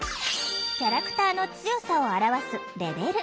キャラクターの強さをあらわすレベル。